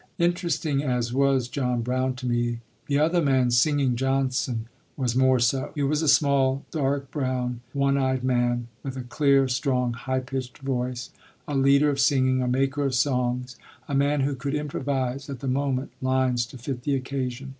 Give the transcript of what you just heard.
Interesting as was John Brown to me, the other man, "Singing Johnson," was more so. He was a small, dark brown, one eyed man, with a clear, strong, high pitched voice, a leader of singing, a maker of songs, a man who could improvise at the moment lines to fit the occasion.